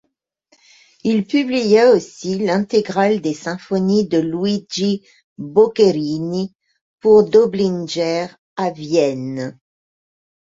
Il publia aussi l’intégrale des symphonies de Luigi Boccherini pour Doblinger à Vienne.